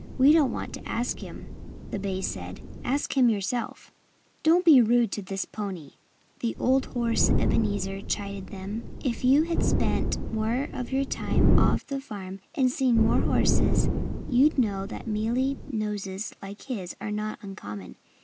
"We don't want to ask him," said the bays. "Ask him yourself." "Don't be rude to this pony!" the old horse Ebenezer chided them. "If you had spent more of your time off the farm, and seen more horses, you'd know that mealy noses like his are not uncommon.